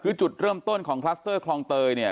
คือจุดเริ่มต้นของคลัสเตอร์คลองเตยเนี่ย